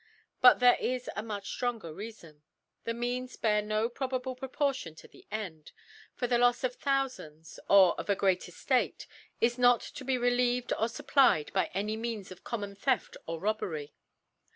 But there is a much ftronger Reafon. The Means bear rio Proportion to the End : For the Lcfs of Thoufands, or of a great Eftate, is not to be relieved or fupplied by any Mearrs of common Theft or Robbery.